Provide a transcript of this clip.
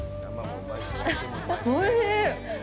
おいしい！